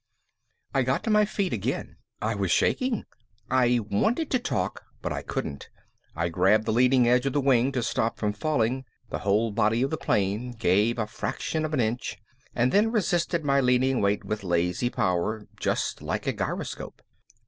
_I got to my feet again. I was shaking. I wanted to talk but I couldn't. I grabbed the leading edge of the wing to stop from falling. The whole body of the plane gave a fraction of an inch and then resisted my leaning weight with lazy power, just like a gyroscope.